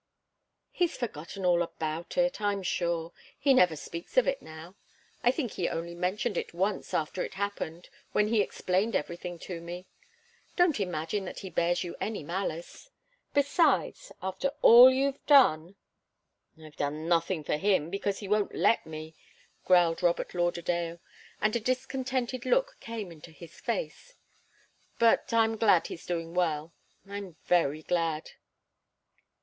"He's forgotten all about it, I'm sure. He never speaks of it now. I think he only mentioned it once after it happened, when he explained everything to me. Don't imagine that he bears you any malice. Besides after all you've done " "I've done nothing for him, because he won't let me," growled Robert Lauderdale, and a discontented look came into his face. "But I'm glad he's doing well I'm very glad."